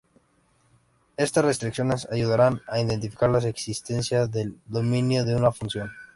Estas restricciones ayudarán a identificar la existencia del dominio de una función.